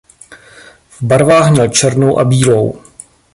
V barvách měl černou a bílou.